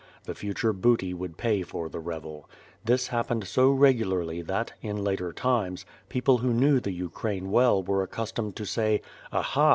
The future booty would pay for the revel. This happened so regularly that, in later times, people who knew the Ukraine well were accustomed to say "Aha!